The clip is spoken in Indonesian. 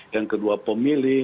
yang kedua pemilih